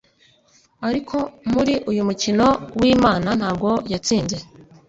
Ariko muri uyu mukino wimana ntabwo yatsinze